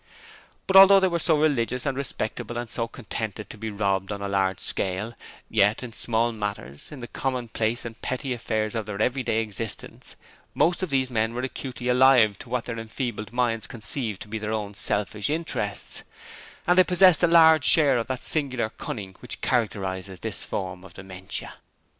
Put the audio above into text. But although they were so religious and respectable and so contented to be robbed on a large scale, yet in small matters, in the commonplace and petty affairs of their everyday existence, most of these men were acutely alive to what their enfeebled minds conceived to be their own selfish interests, and they possessed a large share of that singular cunning which characterizes this form of dementia.